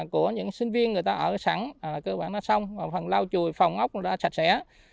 của những sinh viên người ta ở sẵn cơ bản đã xong phần lau chùi phòng ốc đã sạch sẽ